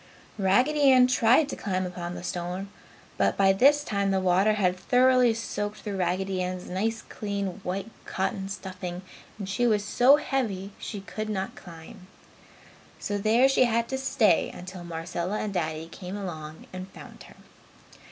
Raggedy Ann tried to climb upon the stone, but by this time the water had thoroughly soaked through Raggedy Ann's nice, clean, white cotton stuffing and she was so heavy she could not climb. So there she had to stay until Marcella and Daddy came along and found her.